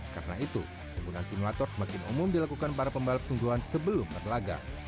karena itu penggunaan simulator semakin umum dilakukan para pembalap sungguhan sebelum berlagak